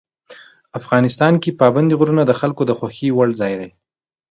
افغانستان کې پابندی غرونه د خلکو د خوښې وړ ځای دی.